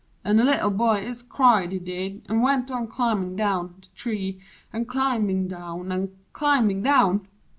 An' the Little Boy Ist cried, he did; an' went on climbin' down The tree an' climbin' down an' climbin' down!